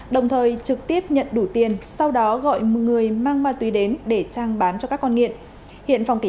đồng thời trực tiếp nhận đủ tiền sau đó gọi người mang ma túy đến để trang bán cho các con nghiện